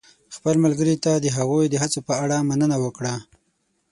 خپل ملګري ته د هغوی د هڅو په اړه مننه وکړه.